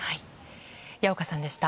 矢岡さんでした。